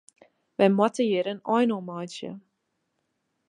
Wy moatte hjir in ein oan meitsje.